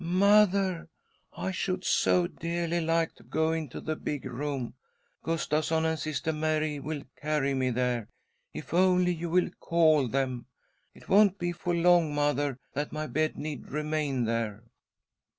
" Mother, I should so dearly like to go into the big room. Gustavsson and Sister~Mary will carry me there, if only you will call them. It won't be for long, mother, that my bed need remain there."